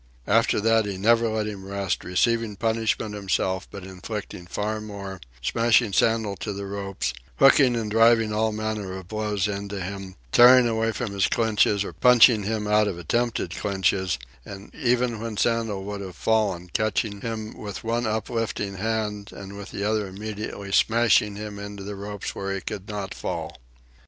After that he never let him rest, receiving punishment himself, but inflicting far more, smashing Sandel to the ropes, hooking and driving all manner of blows into him, tearing away from his clinches or punching him out of attempted clinches, and ever when Sandel would have fallen, catching him with one uplifting hand and with the other immediately smashing him into the ropes where he could not fall.